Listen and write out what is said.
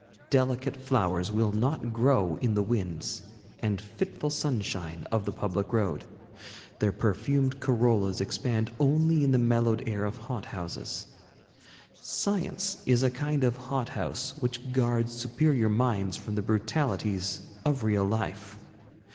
Delicate flowers will not grow in the winds and fitful sunshine of the public road. Their perfumed corollas expand only in the mellowed air of hot houses. Science is a kind of hot house which guards superior minds from the brutalities of real life.